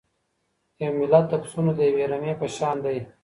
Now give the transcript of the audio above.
یو ملت د پسونو د یوې رمې په شان دی.